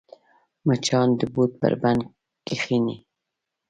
مچان د بوټ پر بند کښېني